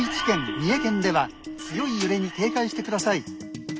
三重県では強い揺れに警戒してください」。